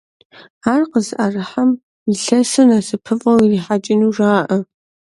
Ар къызыӀэрыхьэм илъэсыр насыпыфӀэу ирихьэкӀынуи жаӀэ.